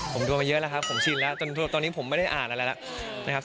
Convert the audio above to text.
ผมโดนมาเยอะแล้วครับผมชินแล้วตอนนี้ผมไม่ได้อ่านอะไรแล้วนะครับ